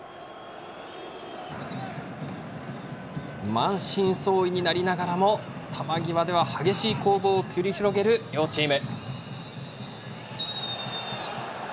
満身創痍になりながらも球際では激しい攻防を繰り広げる両チーム。